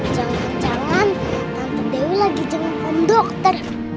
jangan jangan tante dewi lagi jemput om dokter